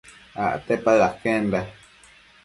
Acte paë aquenda